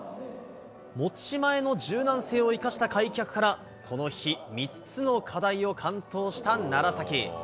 持ち前の柔軟性を生かした開脚から、この日、３つの課題を完登した楢崎。